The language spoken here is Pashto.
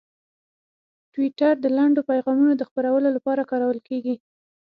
ټویټر د لنډو پیغامونو د خپرولو لپاره کارول کېږي.